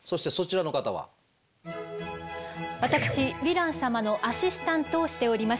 私ヴィラン様のアシスタントをしております